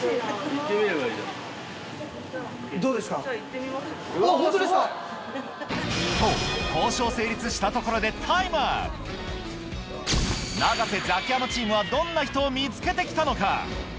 どうですか？と交渉成立したところで永瀬・ザキヤマチームはどんな人を見つけて来たのか？